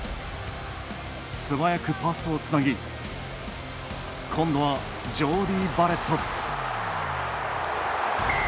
素早くパスをつなぎ今度はジョーディー・バレット。